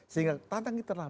sehingga tantang kita lah